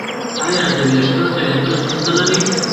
ایا د ویښتو تویدو ستونزه لرئ؟